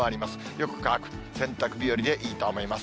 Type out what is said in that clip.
よく乾く、洗濯日和でいいと思います。